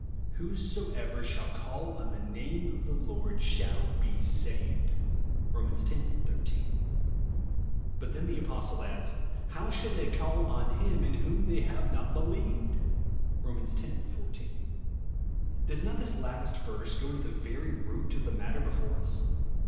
*' Whosoever shall call on the name OF THE Lord shall be saved;' (Rom. x. 13). But then the Apostle adds, "How shall they call on him in tvJiom they have not believed?" (Rom. x. 14.) Does not this last verse go to the very root of the matter before us